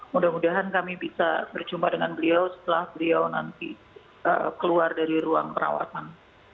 mudah mudahan kami bisa berjumpa dengan beliau setelah beliau nanti keluar dari ruang perawatan